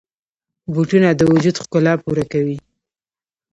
بوټونه د وجود ښکلا پوره کوي.